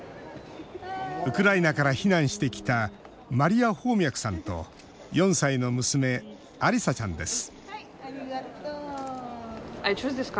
ウクライナから避難してきたマリア・ホーミャクさんと４歳の娘、アリサちゃんです